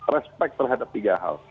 respek terhadap tiga hal